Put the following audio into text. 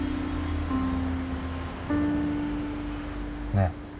ねえ。